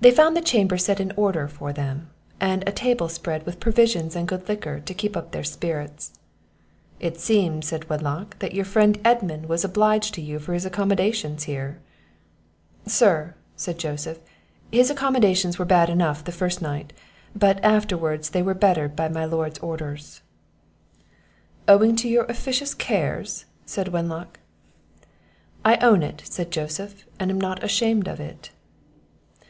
They found the chamber set in order for them, and a table spread with provision and good liquor to keep up their spirits. "It seems," said Wenlock, "that your friend Edmund was obliged to you for his accommodations here." "Sir," said Joseph, "his accommodations were bad enough the first night; but, afterwards, they were bettered by my lord's orders." "Owing to your officious cares?" said Wenlock. "I own it," said Joseph, "and I am not ashamed of it."